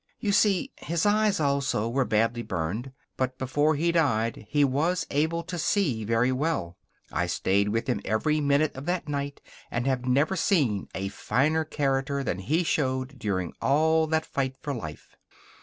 You see, his eyes also were badly burned. But before he died he was able to see very well. I stayed with him every minute of that night and have never seen a finer character than he showed during all that fight for life.